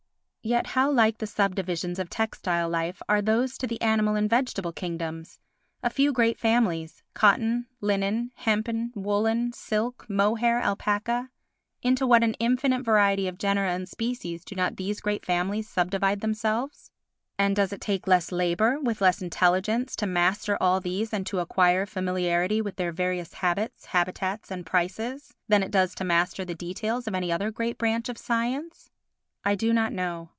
Yet how like the sub divisions of textile life are to those of the animal and vegetable kingdoms! A few great families—cotton, linen, hempen, woollen, silk, mohair, alpaca—into what an infinite variety of genera and species do not these great families subdivide themselves? And does it take less labour, with less intelligence, to master all these and to acquire familiarity with their various habits, habitats and prices than it does to master the details of any other great branch of science? I do not know.